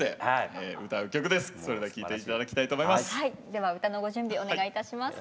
では歌のご準備お願いいたします。